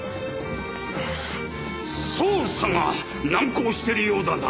捜査が難航してるようだな